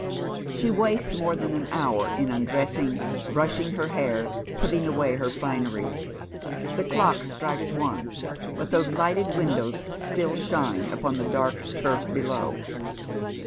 She wastes more than an hour in undressing, brushing her hair, putting away her finery. The clocks strike one, but those lighted windows still shine upon the dark turf below.